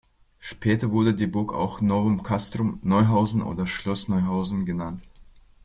Später wurde die Burg auch "Novum castrum", "Neuhausen" oder "Schloss Neuhausen" genannt.